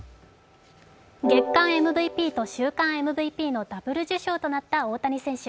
月間ＭＶＰと週間ＭＶＰのダブル受賞となった大谷選手。